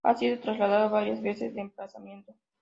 Ha sido trasladado varias veces de emplazamiento.